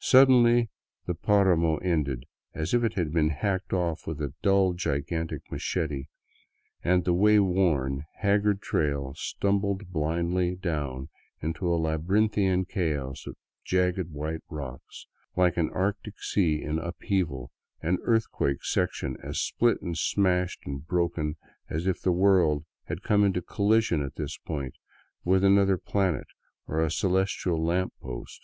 Suddenly the paramo ended as if it had been hacked off with a dull gigantic machete, and the way worn, haggard trail stumbled blindly down into a labyrinthian chaos of jagged white rocks, like an arctic sea in upheaval, an earthquake section as split and smashed and broken as if the world had come into collision at this point with another planet or a celestial lamp post.